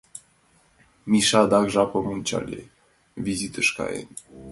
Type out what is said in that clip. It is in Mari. Миша адак жапым ончале: визытыш каен.